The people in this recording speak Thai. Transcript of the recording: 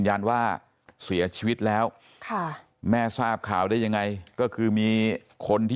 ยันว่าเสียชีวิตแล้วค่ะแม่ทราบข่าวได้ยังไงก็คือมีคนที่